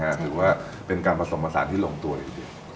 นะฮะถือว่าเป็นการผสมผสานที่หลวงตัวโอเค